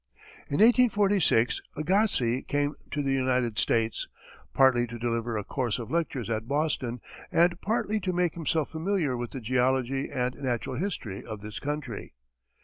In 1846, Agassiz came to the United States, partly to deliver a course of lectures at Boston and partly to make himself familiar with the geology and natural history of this country.